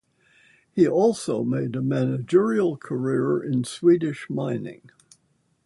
He also made a managerial career in Swedish mining.